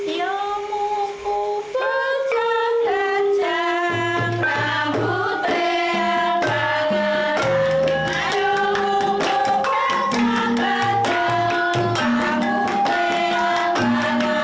yom u bukbuk cak cak cak nabut rehat banga